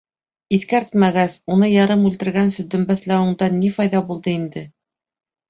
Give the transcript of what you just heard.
— Иҫкәртмәгәс, уны ярым үлтергәнсе дөмбәҫләүеңдән ни файҙа булды инде?!